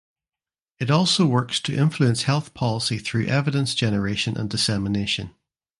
It also works to influence health policy through evidence generation and dissemination.